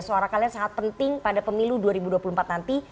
suara kalian sangat penting pada pemilu dua ribu dua puluh empat nanti